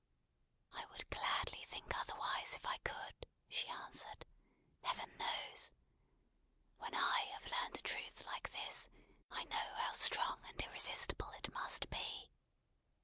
"I would gladly think otherwise if I could," she answered, "Heaven knows! When I have learned a Truth like this, I know how strong and irresistible it must be.